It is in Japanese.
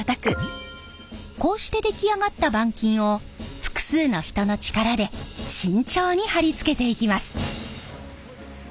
こうして出来上がった板金を複数の人の力で慎重に貼り付けていきます。